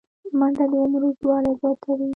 منډه د عمر اوږدوالی زیاتوي